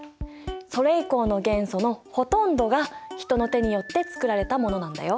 それ以降の元素のほとんどが人の手によって作られたものなんだよ。